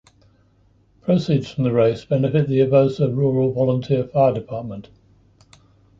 Proceeds from the race benefit the Avoca Rural Volunteer Fire Department.